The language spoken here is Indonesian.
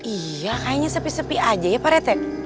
iya kayaknya sepi sepi aja ya pak retek